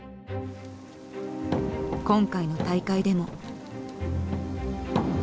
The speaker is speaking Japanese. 今回の大会でも。